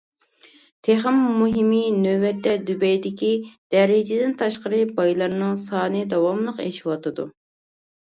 تېخىمۇ مۇھىمى نۆۋەتتە دۇبەيدىكى دەرىجىدىن تاشقىرى بايلارنىڭ سانى داۋاملىق ئېشىۋاتىدۇ.